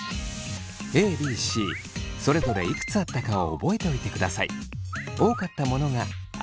ＡＢＣそれぞれいくつあったかを覚えておいてください。